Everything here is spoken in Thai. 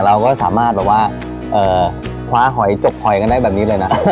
เราก็สามารถแบบว่าคว้าหอยจกหอยกันได้แบบนี้เลยนะ